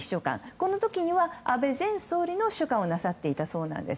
この時には安倍前総理の秘書官をなさっていたそうなんです。